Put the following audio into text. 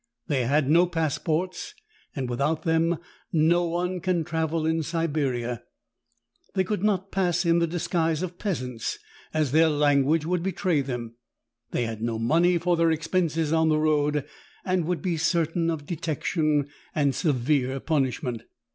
They had no passports, and with out them no one can travel in Siberia ; they could not pass in the disguise of peasants, as their language would betray them; they had no money for their expenses on the road, and would be cer tain of detection and severe punishment.